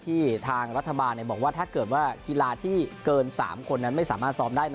ทางรัฐบาลบอกว่าถ้าเกิดว่ากีฬาที่เกิน๓คนนั้นไม่สามารถซ้อมได้นะ